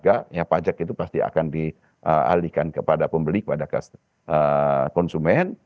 karena kenaikan pajak itu pasti akan dialihkan kepada pembeli kepada konsumen